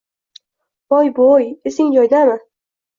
Voy-bo`y, esing joyidami